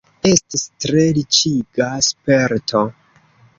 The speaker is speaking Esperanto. Estis tre riĉiga sperto!